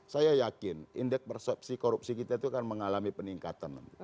saya yakin indeks persepsi korupsi kita itu akan mengalami peningkatan